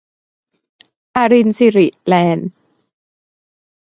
อรินสิริ แลนด์